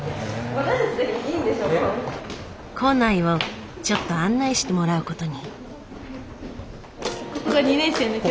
校内をちょっと案内してもらうことに。